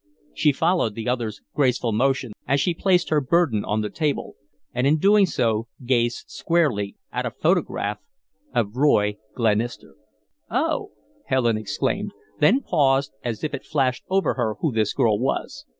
She followed the other's graceful motion as she placed her burden on the table, and in doing so gazed squarely at a photograph of Roy Glenister. "Oh !" Helen exclaimed, then paused as it flashed over her who this girl was.